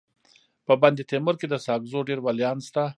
په بندتیمور کي د ساکزو ډير ولیان سته.